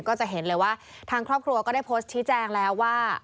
ก็จะเห็นเลยว่าทางครอบครัวก็ได้โพสต์ชี้แจงแล้วว่า